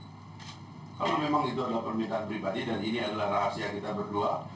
maka saya mengatakan baiklah kalau memang itu adalah permintaan pribadi dan ini adalah rahasia kita berdua